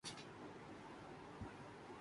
یہاں جنس اک شعلہ نہیں، جنس کی آنچ کافی ہے